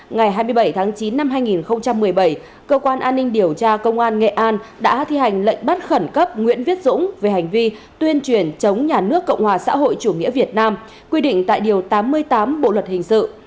ngày hai mươi bảy tháng chín năm hai nghìn một mươi bảy cơ quan an ninh điều tra công an nghệ an đã thi hành lệnh bắt khẩn cấp nguyễn viết dũng về hành vi tuyên truyền chống nhà nước cộng hòa xã hội chủ nghĩa việt nam quy định tại điều tám mươi tám bộ luật hình sự